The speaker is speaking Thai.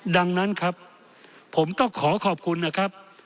ดังนั้นครับผมต้องขอขอบคุณนะครับ